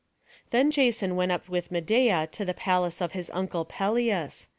Then Jason went up with Medeia to the palace of his uncle Pelias.